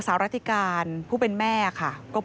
พบหน้าลูกแบบเป็นร่างไร้วิญญาณ